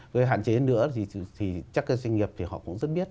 gây hạn chế nữa thì chắc các doanh nghiệp thì họ cũng rất biết